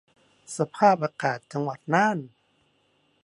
สภาพอากาศจังหวัดน่าน